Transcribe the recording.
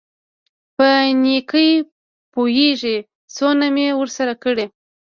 په نېکۍ پوېېږي څونه مې ورسره کړي.